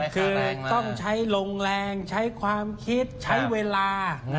คือต้องใช้ลงแรงใช้ความคิดใช้เวลา